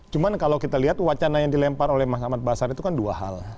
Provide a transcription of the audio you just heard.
cuman kalau kita lihat wacana yang dilempar oleh mas ahmad basar itu kan dua hal